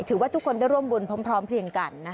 ถือว่าทุกคนได้ร่วมบุญพร้อมเพียงกัน